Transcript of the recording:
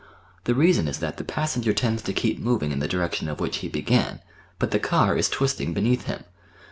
The reason is that the passenger tends to keep moving in the direction of which he began, but the car is twisting beneath him.